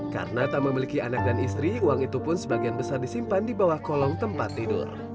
karena tak memiliki anak dan istri uang itu pun sebagian besar disimpan di bawah kolong tempat tidur